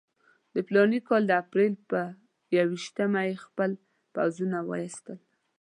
د فلاني کال د اپرېل پر یوویشتمه یې خپل پوځونه وایستل.